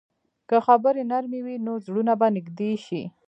که خبرې نرمې وي، نو زړونه به نږدې شي.